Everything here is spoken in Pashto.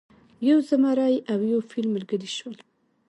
یو زمری او یو فیلی ملګري شول.